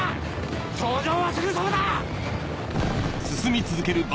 頂上はすぐそこだ！